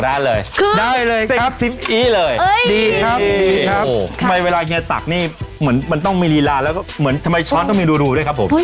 ดีครับทำไมเวลาเฮียตักนี่มันต้องมีลีลานแล้วก็เหมือนทำไมช้อนต้องมีรูด้วยครับผม